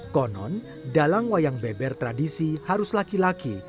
konon dalang wayang beber tradisi harus laki laki